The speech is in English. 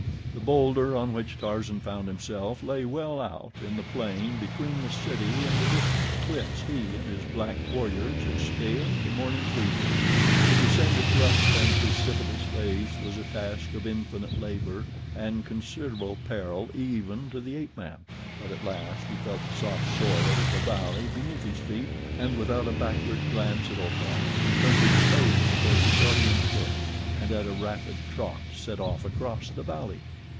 The bowlder on which Tarzan found himself lay well out in the plain between the city and the distant cliffs he and his black warriors had scaled the morning previous. To descend its rough and precipitous face was a task of infinite labor and considerable peril even to the ape man; but at last he felt the soft soil of the valley beneath his feet, and without a backward glance at Opar he turned his face toward the guardian cliffs, and at a rapid trot set off across the valley.